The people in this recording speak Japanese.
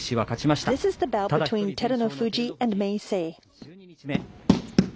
１２日目。